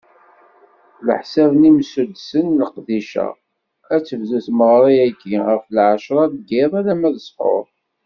Ɛlaḥsab n yimsuddsen n leqdic-a, ad tebdu tmeɣra-agi ɣef lɛecra n yiḍ alamma d ṣṣḥur.